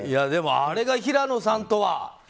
でも、あれが平野さんとは。